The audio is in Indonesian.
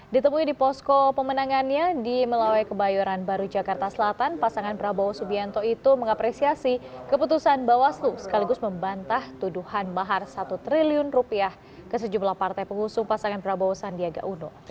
ditemui di posko pemenangannya di melawai kebayoran baru jakarta selatan pasangan prabowo subianto itu mengapresiasi keputusan bawaslu sekaligus membantah tuduhan mahar satu triliun rupiah ke sejumlah partai pengusung pasangan prabowo sandiaga uno